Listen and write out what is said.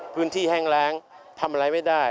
พื้นที่แห้งแรงทำอะไรไม่ได้